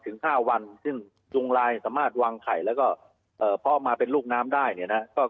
ถึง๕วันซึ่งยุงลายสามารถวางไข่แล้วก็เพาะมาเป็นลูกน้ำได้เนี่ยนะ